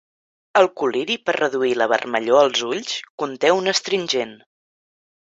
El col·liri per reduir la vermellor als ulls conté un astringent.